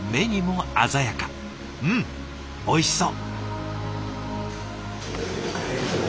うんおいしそう。